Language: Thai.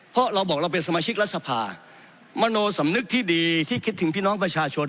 เพราะเราบอกเราเป็นสมาชิกรัฐสภามโนสำนึกที่ดีที่คิดถึงพี่น้องประชาชน